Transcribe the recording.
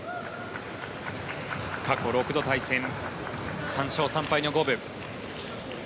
過去６度対戦３勝３敗の五分。